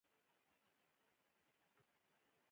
مصنوعي ځرکتیا